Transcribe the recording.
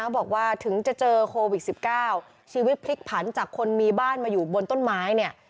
บอกว่าถึงจะเจอโควิด๑๙ชีวิตพลิกผันจากคนมีบ้านมาอยู่บนต้นไม้เนี่ย